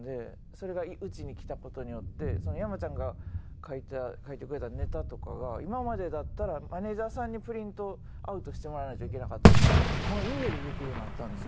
それがうちに来た事によって山ちゃんが書いてくれたネタとかが今までだったらマネジャーさんにプリントアウトしてもらわないといけなかったのに家でできるようになったんですよ。